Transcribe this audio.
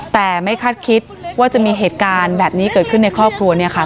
แต่ไม่คาดคิดว่าจะมีเหตุการณ์แบบนี้เกิดขึ้นในครอบครัวเนี่ยค่ะ